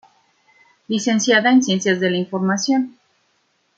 Licenciada en Ciencias de la Información.